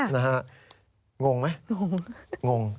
งงไหมงง